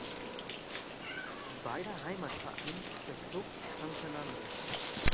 Beider Heimatverein ist der "Club San Fernando".